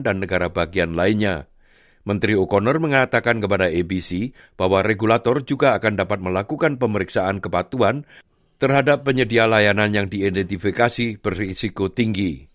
berita terkini mengenai penyedia pendidikan